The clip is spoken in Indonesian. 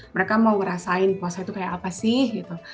mereka mau ngerasain puasa itu kayak apa sih gitu